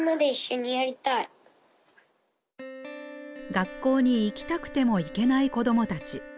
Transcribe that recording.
学校に行きたくても行けない子どもたち。